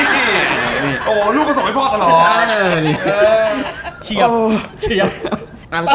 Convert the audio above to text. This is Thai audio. ซูมยาดอบ